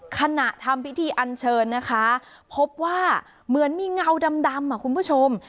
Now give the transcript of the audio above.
ขณะทำพิธีอันเชิญนะคะพบว่าเหมือนมีเงาดำคุณผู้ชม